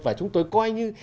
và chúng tôi coi như